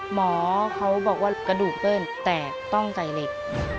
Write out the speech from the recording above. หมอเขาบอกว่ากระดูกเปิ้ลแตกต้องใส่เหล็ก